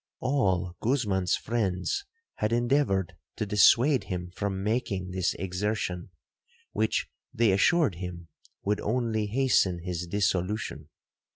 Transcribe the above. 'All Guzman's friends had endeavoured to dissuade him from making this exertion, which, they assured him, would only hasten his dissolution.